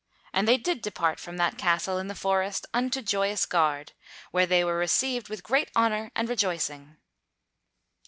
And they did depart from that castle in the forest unto Joyous Gard, where they were received with great honor and rejoicing.